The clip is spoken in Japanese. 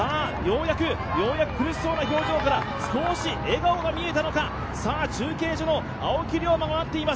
ようやく苦しそうな表情から少し笑顔が見えたのか、中継所の青木涼真が待っています。